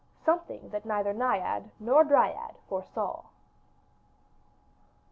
Something That neither Naiad nor Dryad Foresaw.